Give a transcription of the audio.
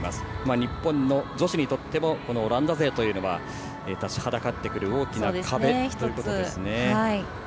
日本の女子にとってもオランダ勢というのは立ちはだかってくる大きな壁ということですね。